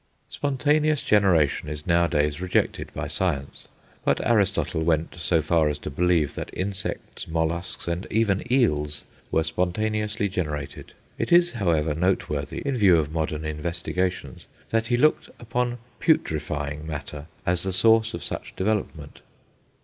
Spontaneous generation is nowadays rejected by science; but Aristotle went so far as to believe that insects, molluscs, and even eels, were spontaneously generated. It is, however, noteworthy, in view of modern investigations, that he looked upon putrefying matter as the source of such development.